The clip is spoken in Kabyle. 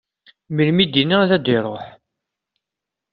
Melmi i d-inna ad d-iruḥ?